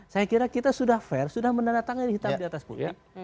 saya kira kita sudah fair sudah menandatangani hitam di atas putih